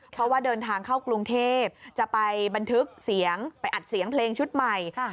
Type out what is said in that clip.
เพราะว่าเดินทางเข้ากรุงเทพจะไปบันทึกเสียงไปอัดเสียงเพลงชุดใหม่